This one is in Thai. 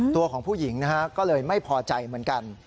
ตัวของผู้หญิงนะฮะก็เลยไม่พอใจเหมือนกัน